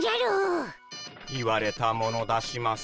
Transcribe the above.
言われたもの出します。